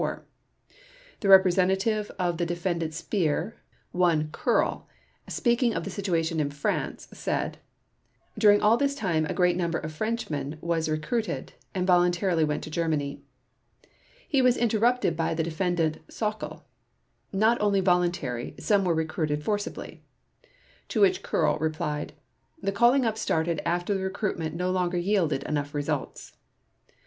The representative of the Defendant Speer, one Koehrl, speaking of the situation in France, said: "During all this time a great number of Frenchmen was recruited, and voluntarily went to Germany." He was interrupted by the Defendant Sauckel: "Not only voluntary, some were recruited forcibly." To which Koehrl replied: "The calling up started after the recruitment no longer yielded enough results."